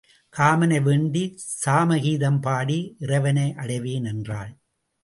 காமனை வேண்டிச் சாமகீதம் பாடி இறைவனை அடைவேன் என்றாள்.